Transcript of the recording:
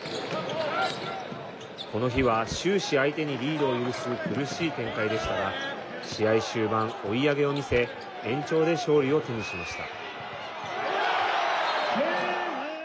この日は終始相手にリードを許す苦しい展開でしたが試合終盤、追い上げを見せ延長で勝利を手にしました。